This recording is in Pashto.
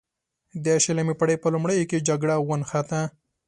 د شلمې پیړۍ په لومړیو کې جګړه ونښته.